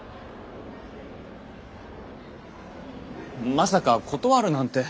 まさか断るなんて。